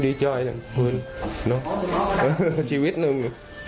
ดีใจจังคืนชีวิตหนึ่ง